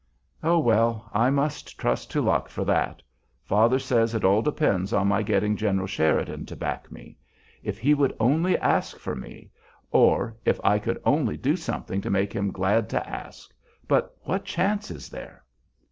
"Oh, well! I must trust to luck for that. Father says it all depends on my getting General Sheridan to back me. If he would only ask for me, or if I could only do something to make him glad to ask; but what chance is there?"